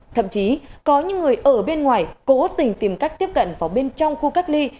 thậm chí có những người ở bên ngoài cố tình tìm cách tiếp cận vào bên trong khu cách ly